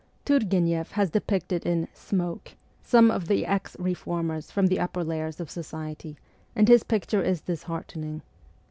Turgueneff has depicted in ' Smoke ' some of the ex reformers from the upper layers of society, and his picture is disheartening.